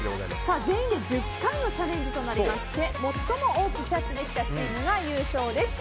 全員で１０回のチャレンジとなりまして最も多くキャッチできたチームが優勝です。